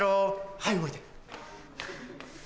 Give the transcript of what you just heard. はい動いて。